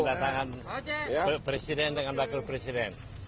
pada tangan presiden dengan wakil presiden